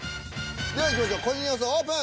ではいきましょう個人予想オープン。